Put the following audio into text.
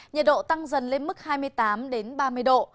nhiệt độ tăng dần lên mức hai mươi tám ba mươi độ